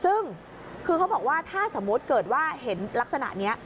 ซึ่งคือเขาบอกว่าถ้าสมมุติเกิดว่าเห็นลักษณะนี้